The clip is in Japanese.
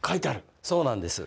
そうなんです。